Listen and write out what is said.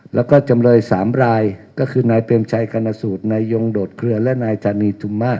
แล้วก็จำเลย๓รายก็คือนายเปรมชัยกรณสูตรนายยงโดดเคลือและนายธานีธุมะ